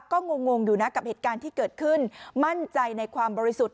ก็งงอยู่นะกับเหตุการณ์ที่เกิดขึ้นมั่นใจในความบริสุทธิ์